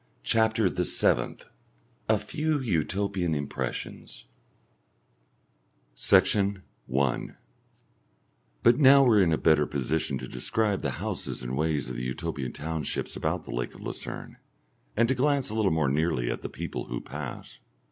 CHAPTER THE SEVENTH A Few Utopian Impressions Section 1 But now we are in a better position to describe the houses and ways of the Utopian townships about the Lake of Lucerne, and to glance a little more nearly at the people who pass.